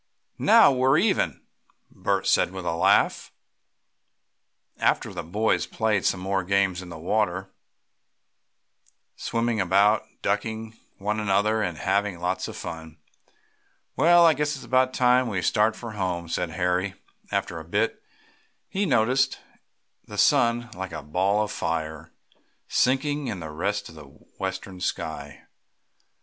"Now we're even," Bert said with a laugh. After this the boys played some games in the water, swimming about, "ducking" one another, and having lots of fun. "Well, I guess it's about time we started for home," said Harry, after a bit, as he noticed the sun, like a ball of fire, sinking to rest in the western sky.